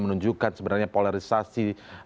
menunjukkan sebenarnya polarisasi